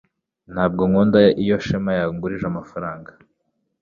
Ntabwo nkunda iyo Shema yangurije amafaranga